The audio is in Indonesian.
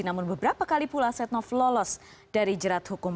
namun beberapa kali pula setnov lolos dari jerat hukum